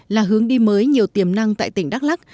là hướng đi mới nhiều tiềm năng tại tỉnh đắk lắc